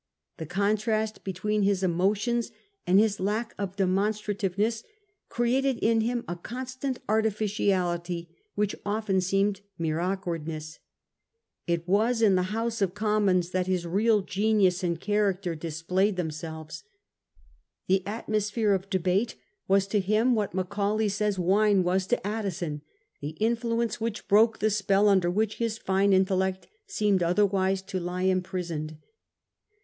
The contrast between his emotions and his lack of demonstrative ness created in him a constant artificiality which often seemed mere awkwardness. It was in the House of Commons that his real genius and character displayed 40 A HISTORY OF OTJE OWN TIMES. ch. n. themselves. The atmosphere of debate was to him what Macaulay says wine was to Addison, the in fluence which broke the spell under which his fine intellect seemed otherwise to lie imprisoned.